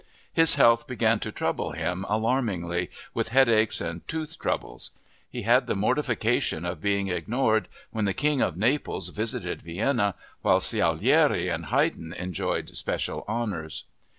His health began to trouble him alarmingly, with headaches and tooth troubles. He had the mortification of being ignored when the King of Naples visited Vienna, while Salieri and Haydn enjoyed special honors.